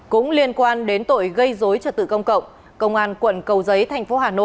cũng liên quan đến tội gây dối trợ tự công cộng công an quận cầu giấy tp hcm